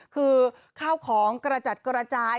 คือข้าวของกระจัดกระจาย